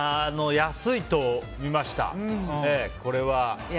安いとみました、これは。